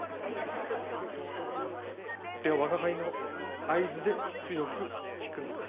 では我が輩の合図で強く引くのです。